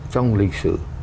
trong lịch sử